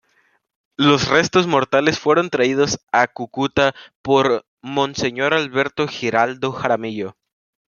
Los restos mortales fueron traídos a Cúcuta por monseñor Alberto Giraldo Jaramillo.